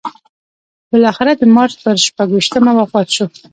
بالاخره د مارچ پر شپږویشتمه وفات شو.